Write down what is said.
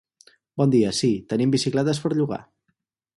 Bon dia, sí, tenim bicicletes per llogar.